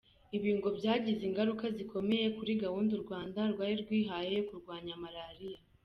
Ibi ngo byagize ingaruka zikomeye kuri gahunda u Rwanda rwari rwihaye yo kurwanya malariya.